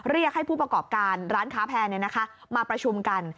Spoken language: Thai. เรียกให้ผู้ประกอบการร้านค้าแพร่มาประชุมกัน